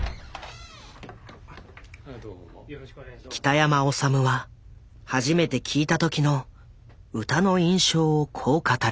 きたやまおさむは初めて聴いた時の歌の印象をこう語る。